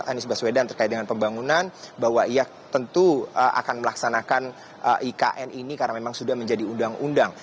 anies baswedan terkait dengan pembangunan bahwa ia tentu akan melaksanakan ikn ini karena memang sudah menjadi undang undang